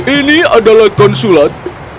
ini adalah konsulat